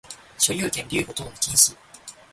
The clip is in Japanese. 所有権留保等の禁止